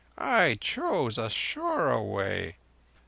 I chose a surer way.